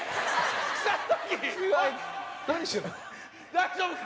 大丈夫か？